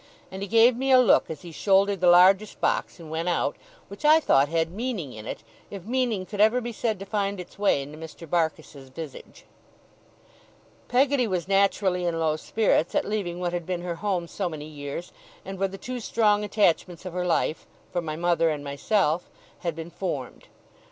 And he gave me a look as he shouldered the largest box and went out, which I thought had meaning in it, if meaning could ever be said to find its way into Mr. Barkis's visage. Peggotty was naturally in low spirits at leaving what had been her home so many years, and where the two strong attachments of her life for my mother and myself had been formed.